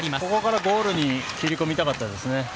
ここからゴールに切り込みたかったですね。